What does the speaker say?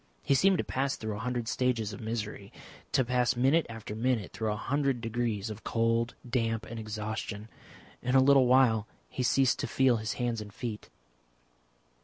He seemed to pass through a hundred stages of misery, to pass minute after minute through a hundred degrees of cold, damp, and exhaustion. In a little while he ceased to feel his hands and feet.